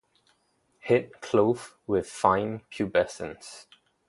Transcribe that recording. Head clothed with fine pubescence.